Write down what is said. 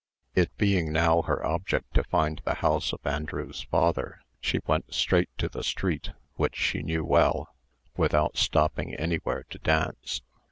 It being now her object to find the house of Andrew's father, she went straight to the street, which she well knew, without stopping anywhere to dance.